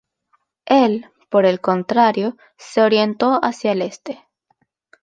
Él por el contrario se orientó hacia el Este.